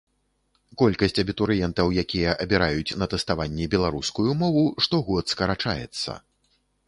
Колькасць абітурыентаў, якія абіраюць на тэставанні беларускую мову, штогод скарачаецца.